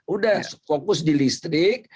udah fokus di listrik